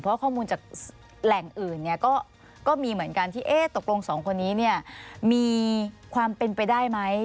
เพราะข้อมูลจากแหล่งอื่นเนี่ยก็มีเหมือนกันที่ตกลงสองคนนี้เนี่ยมีความเป็นไปได้ไหม